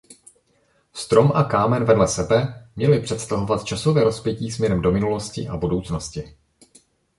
Strom a kámen vedle sebe měly představovat časové rozpětí směrem do minulosti a budoucnosti.